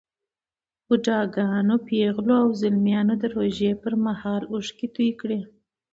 بوډاګانو، پېغلو او ځلمیانو د روژه ماتي پر مهال اوښکې توی کړې.